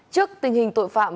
trước tình hình tội phạm